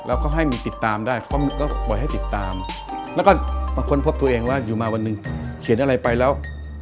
แล้วก็ให้มีติดตามได้เขาก็ปล่อยให้ติดตามแล้วก็มาค้นพบตัวเองว่าอยู่มาวันหนึ่งเขียนอะไรไปแล้ว